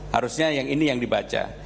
harusnya yang ini yang dibaca